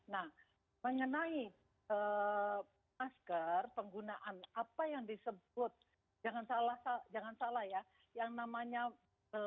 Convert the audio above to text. nah mengenai masker penggunaan apa yang disebut jangan salah ya yang namanya mask itu